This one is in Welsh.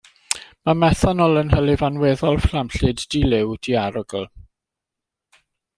Mae methanol yn hylif anweddol, fflamllyd, di-liw, diarogl.